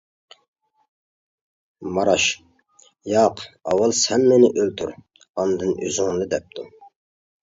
ماراش: «ياق، ئاۋۋال سەن مېنى ئۆلتۈر، ئاندىن ئۆزۈڭنى! » دەپتۇ.